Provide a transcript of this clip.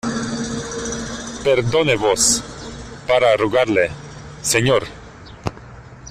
perdone vos, para rogarle , señor...